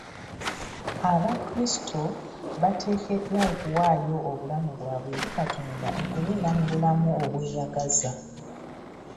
Abakrisito bateekeddwa okuwaayo obulamu bwabwe eri Katonda okubeera mu bulamu obweyagaza.